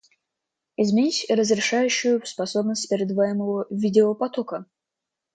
Изменить разрешающую способность передаваемого видеопотока